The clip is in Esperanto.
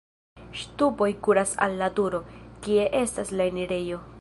Ŝtupoj kuras al la turo, kie estas la enirejo.